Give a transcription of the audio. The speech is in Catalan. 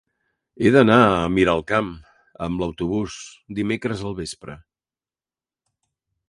He d'anar a Miralcamp amb autobús dimecres al vespre.